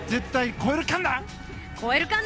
超えるかんな！